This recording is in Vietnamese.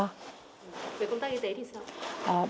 về công tác y tế thì sao